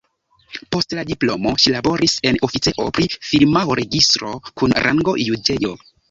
Post la diplomo ŝi laboris en oficejo pri firmaoregistro kun rango juĝejo.